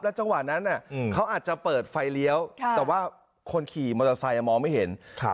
จังหวะนั้นเขาอาจจะเปิดไฟเลี้ยวแต่ว่าคนขี่มอเตอร์ไซค์มองไม่เห็น